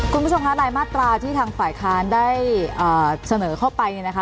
คุณผู้ชมคะรายมาตราที่ทางฝ่ายค้านได้เสนอเข้าไปเนี่ยนะคะ